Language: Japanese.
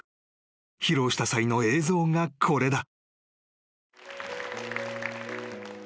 ［披露した際の映像がこれだ］